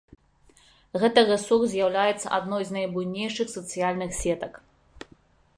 Гэты рэсурс з'яўляецца адной з найбуйнейшых сацыяльных сетак.